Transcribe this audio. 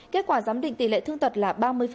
kết quả giám định tỷ lệ thương tật là ba mươi